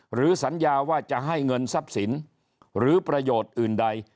หรือสัญญาว่าจะให้เงินทรัพย์สินหรือประโยชน์อื่นใด